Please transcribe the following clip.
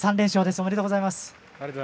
ありがとうございます。